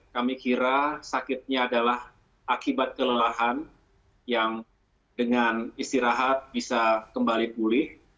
kami kira sakitnya adalah akibat kelelahan yang dengan istirahat bisa kembali pulih